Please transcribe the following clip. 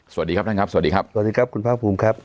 สวัสดีครับท่านครับสวัสดีครับสวัสดีครับคุณภาคภูมิครับ